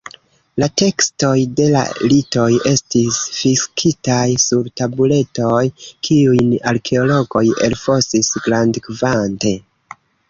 La tekstoj de la ritoj estis fiksitaj sur tabuletoj kiujn arkeologoj elfosis grandkvante.